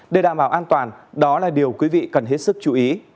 để đảm bảo an toàn đó là điều quý vị cần hết sức chú ý